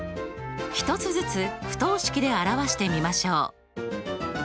１つずつ不等式で表してみましょう。